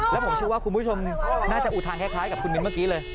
แล้วผมเชื่อว่าคุณผู้ชมน่าจะอุทานคล้ายกับคุณมิ้นเมื่อกี้เลย